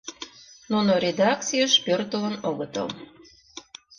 Нуно редакцийыш пӧртылын огытыл.